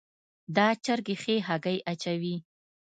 دا چرګي ښي هګۍ اچوي